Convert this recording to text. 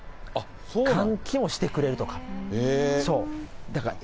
換気もしてくれるとか。